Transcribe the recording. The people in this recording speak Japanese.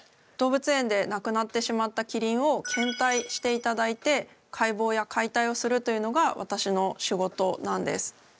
動物園で亡くなってしまったキリンを献体していただいて解剖や解体をするというのが私の仕事なんです。